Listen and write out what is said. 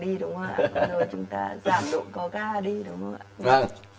rồi chúng ta giảm độ có ga đi đúng không ạ